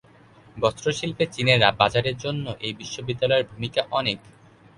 বস্ত্র শিল্পে চীনের বাজারের জন্য এই বিশ্ববিদ্যালয়ের ভূমিকা অনেক।